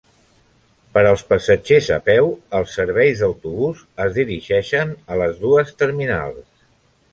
Per als passatgers a peu, els serveis d'autobús es dirigeixen a les dues terminals.